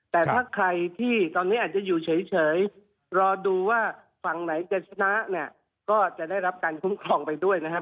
แต่ถ้าใครที่ตอนนี้อาจจะอยู่เฉยรอดูว่าฝั่งไหนจะชนะเนี่ยก็จะได้รับการคุ้มครองไปด้วยนะครับ